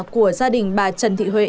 của gia đình bà trần thị huệ